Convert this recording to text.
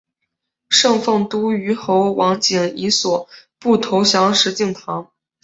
奉圣都虞候王景以所部投降石敬瑭。